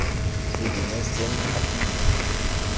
Rue de Noncienne à Bullion